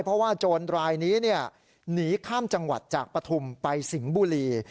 เพราะว่าโจรรายนี้หนีข้ามจังหวัดจากปฐุมไปสิงห์บุรี